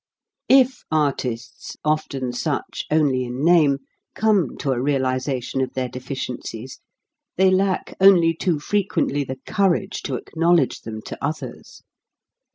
If artists, often such only in name, come to a realization of their deficiencies, they lack only too frequently the courage to acknowl edge them to others.